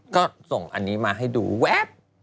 ก็ส่งอันนี้มาให้ดูแว๊บ